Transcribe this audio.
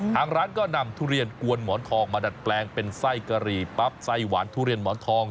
ทางร้านก็นำทุเรียนกวนหมอนทองมาดัดแปลงเป็นไส้กะหรี่ปั๊บไส้หวานทุเรียนหมอนทอง